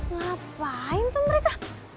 ngapain tuh mereka